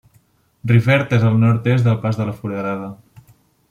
Rivert és al nord-est del Pas de la Foradada.